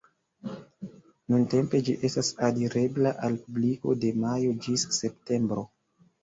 Nuntempe ĝi estas alirebla al publiko de majo ĝis septembro.